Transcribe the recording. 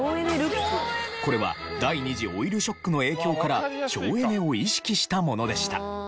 これは第二次オイルショックの影響から省エネを意識したものでした。